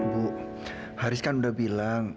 bu haris kan udah bilang